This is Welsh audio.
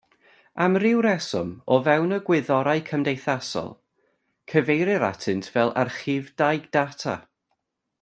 Am ryw reswm, o fewn y gwyddorau cymdeithasol, cyfeirir atynt fel archifdai data.